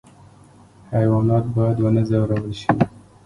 حیوانات باید ونه ځورول شي